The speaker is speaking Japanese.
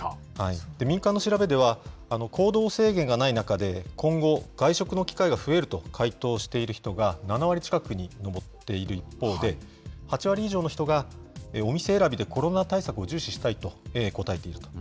民間の調べでは、行動制限がない中で、今後、外食の機会が増えると回答している人が、７割近くに上っている一方で、８割以上の人が、お店選びでコロナ対策を重視したいと答えていると。